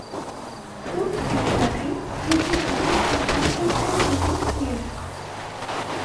থোথ-এর সাথে যুগ্মভাবে তিনি কাল প্রবাহের গতি নির্ণয় করেন।